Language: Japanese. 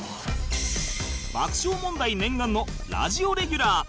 爆笑問題念願のラジオレギュラー